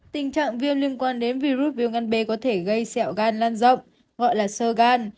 tình trạng viêm liên quan đến virus viêm gan b có thể gây xẹo gan lan rộng gọi là sơ gan